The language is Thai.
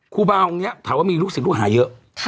ครูบาองค์นี้ถามว่ามีลูกศิษย์ลูกหาเยอะ